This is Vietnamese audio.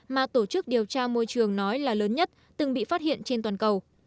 mà tổ chức điều tra môi trường nói là lớn nhất từng bị phát hiện trên toàn cầu